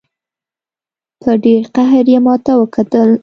په ډېر قهر یې ماته وکتل.